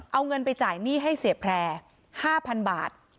เอาเงินไปจ่ายหนี้ให้เสพแพรห้าพันบาท